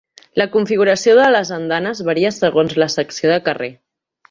La configuració de les andanes varia segons la secció de carrer.